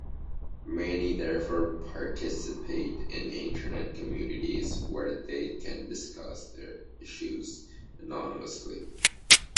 Many, therefore, participate in Internet communities, where they can discuss their issues anonymously.